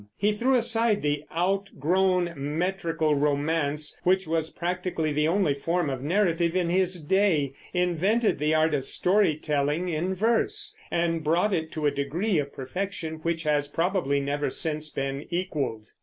He threw aside the outgrown metrical romance, which was practically the only form of narrative in his day, invented the art of story telling in verse, and brought it to a degree of perfection which has probably never since been equaled.